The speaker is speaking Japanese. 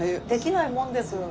できないもんです。